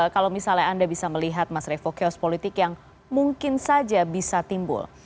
kalau misalnya anda bisa melihat mas revo chaos politik yang mungkin saja bisa timbul